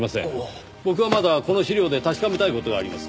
僕はまだこの資料で確かめたい事があります。